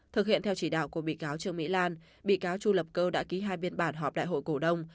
thực hiện theo chỉ đạo của bị cáo trương mỹ lan bị cáo chu lập cơ đã ký hai biên bản họp đại hội cổ đông